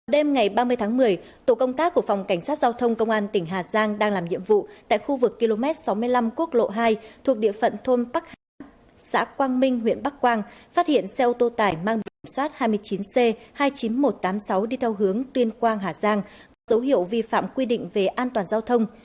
đêm ngày ba mươi tháng một mươi tổ công tác của phòng cảnh sát giao thông công an tỉnh hà giang đang làm nhiệm vụ tại khu vực km sáu mươi năm quốc lộ hai thuộc địa phận thôn bắc hạ xã quang minh huyện bắc quang phát hiện xe ô tô tải mang biển kiểm soát hai mươi chín c hai mươi chín nghìn một trăm tám mươi sáu đi theo hướng tuyên quang hà giang có dấu hiệu vi phạm quy định về an toàn giao thông